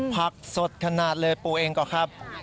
ผักสดขนาดเลยปูเองก่อนครับ